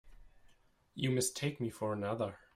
You mistake me for another.